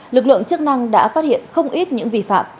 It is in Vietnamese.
lực lượng chức năng đã phát hiện không ít những vi phạm